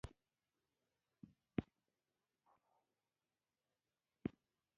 د احمد غره خوږېږي چې د علي په کارو کې لاسوهنه کوي.